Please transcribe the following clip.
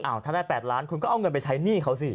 ถ้าได้๘ล้านคุณก็เอาเงินไปใช้หนี้เขาสิ